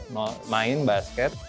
mau main basket